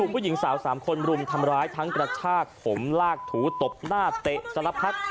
ผู้หญิงสาว๓คนรุมทำร้ายทั้งกระชากผมลากถูตบหน้าเตะสารพัด